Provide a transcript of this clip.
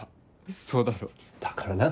そうだろ？だから何だよ。